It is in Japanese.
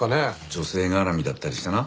女性絡みだったりしてな。